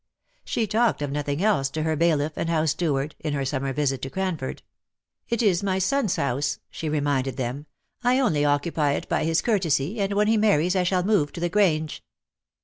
She talked of nothing else to her bailiff and house steward, in her summer visit to Cran ford. "It is my son's house," she reminded them. "I only occupy it by his courtesy, and when he marries I shall move to the Grange."